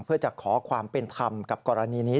เพื่อจะขอความเป็นธรรมกับกรณีนี้